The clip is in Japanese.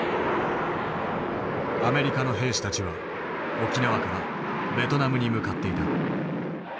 アメリカの兵士たちは沖縄からベトナムに向かっていた。